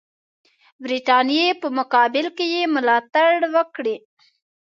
برټانیې په مقابل کې یې ملاتړ وکړي.